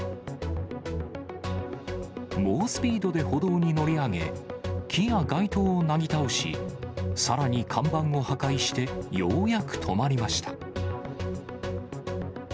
猛スピードで歩道に乗り上げ、木や街灯をなぎ倒し、さらに看板を破壊して、ようやく止まりました。